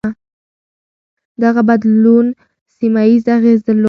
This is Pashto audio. دغه بدلون سيمه ييز اغېز درلود.